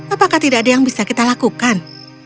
apakah tidak ada yang bisa kita lakukan